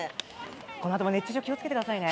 このあとも熱中症気をつけてくださいね。